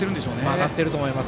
曲がっていると思います。